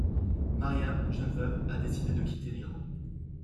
Maryam, jeune veuve, a décidé de quitter l'Iran.